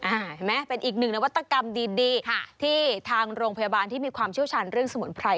เห็นไหมเป็นอีกหนึ่งนวัตกรรมดีดีค่ะที่ทางโรงพยาบาลที่มีความเชี่ยวชาญเรื่องสมุนไพร